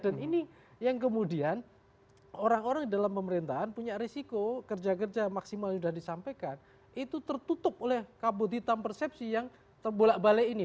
dan ini yang kemudian orang orang di dalam pemerintahan punya risiko kerja kerja maksimal yang sudah disampaikan itu tertutup oleh kabut hitam persepsi yang terbulak balik ini